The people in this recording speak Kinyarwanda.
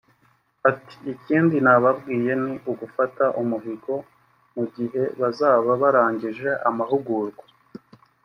Ati "Ikindi nababwiye ni ugufata umuhigo mu gihe bazaba barangije amahugurwa